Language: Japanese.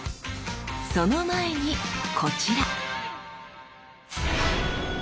その前にこちら。